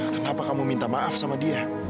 kenapa kamu minta maaf sama dia